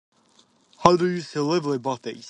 How do you celebrate birthdays?